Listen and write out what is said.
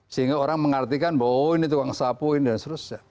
sehingga orang mengartikan bahwa ini tukang sapu ini dan seterusnya